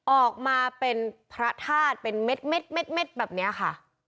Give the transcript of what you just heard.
ออกมาเป็นพระธาตุเป็นเม็ดแบบนี้ค่ะ